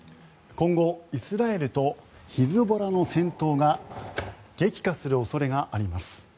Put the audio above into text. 今後、イスラエルとヒズボラの戦闘が激化する恐れがあります。